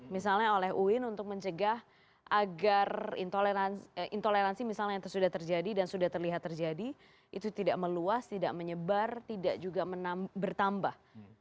misalnya oleh uin untuk mencegah agar intoleransi misalnya yang sudah terjadi dan sudah terlihat terjadi itu tidak meluas tidak menyebar tidak juga bertambah